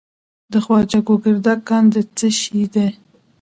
د خواجه ګوګردک کان د څه شي دی؟